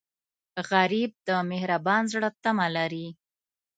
غریب د مهربان زړه تمه لري